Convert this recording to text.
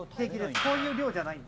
こういう量じゃないんで。